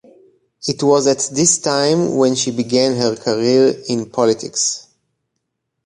It was at this time when she began her career in politics.